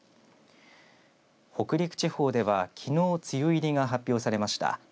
北陸地方では、きのう梅雨入りが発表されました。